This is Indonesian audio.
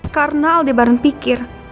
karena aldebaran pikir